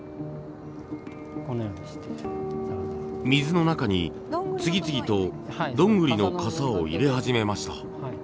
水の中に次々とどんぐりのかさを入れ始めました。